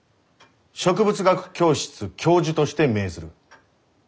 植物学教室教授として命ずる。